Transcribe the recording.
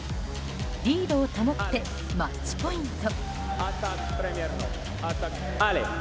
リードを保ってマッチポイント。